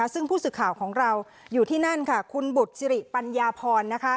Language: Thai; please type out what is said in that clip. ซึ่งผู้สื่อข่าวของเราอยู่ที่นั่นค่ะคุณบุตรสิริปัญญาพร